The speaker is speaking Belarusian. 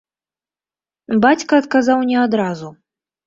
Бацька адказаў не адразу.